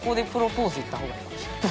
いった方がいいかもしれない。